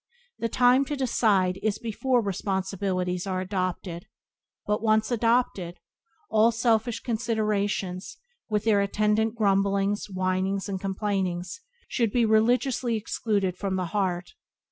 The time to decide is before responsibilities are adopted, but, once adopted, all selfish considerations, with their attendant grumblings, whinings, and complainings, should be religiously excluded from the heart.